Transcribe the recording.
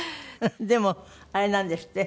でもあれなんですって？